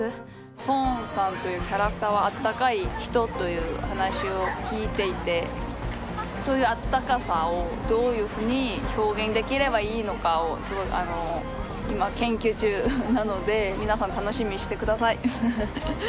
ソンさんというキャラクターは温かい人という話を聞いていてそういう温かさをどういうふうに表現できればいいのかを今研究中なので皆さん楽しみにしてください